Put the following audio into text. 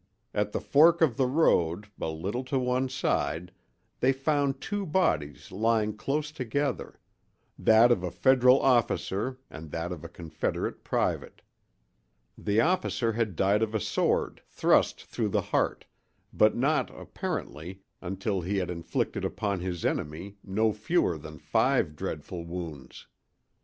At the fork of the road, a little to one side, they found two bodies lying close together—that of a Federal officer and that of a Confederate private. The officer had died of a sword thrust through the heart, but not, apparently, until he had inflicted upon his enemy no fewer than five dreadful wounds.